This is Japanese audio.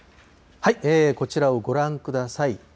こちらをご覧ください。